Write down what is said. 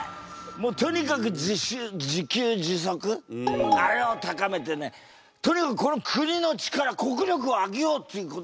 もうとにかく自給自足あれを高めてねとにかくこの国の力国力を上げようっていうことで。